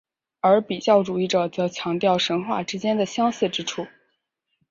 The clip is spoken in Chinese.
而比较主义者则强调神话之间的相似之处。